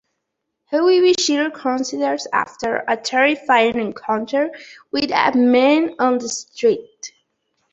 However, she reconsiders after a terrifying encounter with a man on the street.